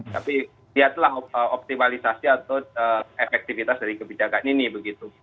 tapi lihatlah optimalisasi atau efektivitas dari kebijakan ini begitu